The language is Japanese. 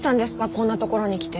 こんな所に来て。